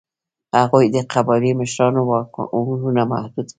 هغوی د قبایلي مشرانو واکونه محدود کړل.